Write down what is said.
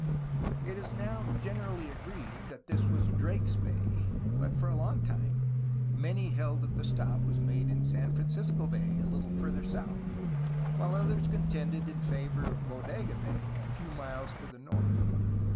It is now generally agreed that this was Drake's Bay, but for a long time many held that the stop was made in San Francisco Bay, a little farther south, while others contended in favor of Bodega Bay, a few miles to the north.